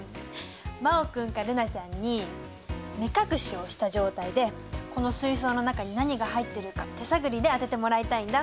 真旺君か瑠菜ちゃんに目隠しをした状態でこの水槽の中に何が入ってるか手探りで当ててもらいたいんだ。